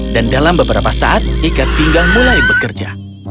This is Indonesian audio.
dan dalam beberapa saat ikat pinggang mulai bergerak